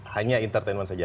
hanya entertainment saja